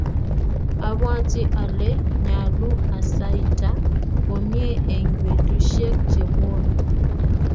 obwoti ale nyoluu asaita komie eng betusiek chebwoni